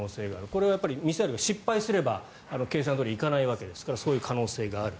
これはミサイルが失敗すれば計算どおりにいかないわけですからそういう可能性がある。